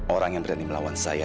orang yang berani melawan saya